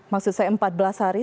maksud saya empat belas hari